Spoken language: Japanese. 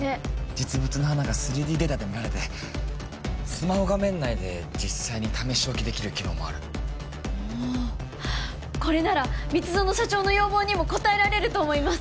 実物の花が３Ｄデータで見られてスマホ画面内で実際に試し置きできる機能もあるおおこれなら蜜園社長の要望にも応えられると思います